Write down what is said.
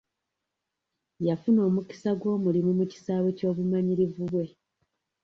Yafuna omukisa gw'omulimu mu kisaawe ky'obumanyirivu bwe.